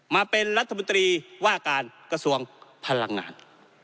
มาเป็นรัฐมนตรีว่าการกระทรวงพลังงาน